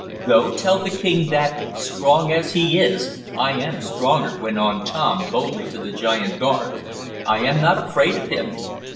"Go tell the king that, strong as he is, I am stronger," went on Tom boldly to the giant guards. "I am not afraid of him."